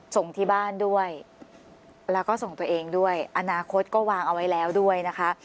ส่งที่บ้านด้วยแล้วก็ส่งตัวเองด้วยอนาคตก็วางเอาไว้แล้วด้วยนะคะ